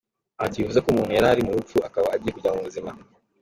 Ati “Bivuze ko umuntu yari ari mu rupfu, akaba agiye kujya mu buzima.